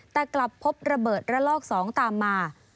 แต่กลับพบระเบิดระลอก๒ตามมา